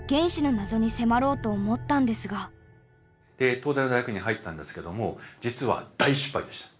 東大の大学院に入ったんですけども実は大失敗でした。